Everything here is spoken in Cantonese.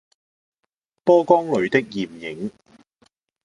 波光裡的艷影